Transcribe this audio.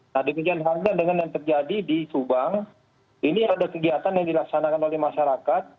nah demikian halnya dengan yang terjadi di subang ini ada kegiatan yang dilaksanakan oleh masyarakat